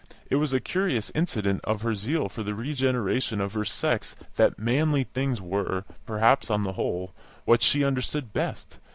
It was a curious incident of her zeal for the regeneration of her sex that manly things were, perhaps on the whole, what she understood best.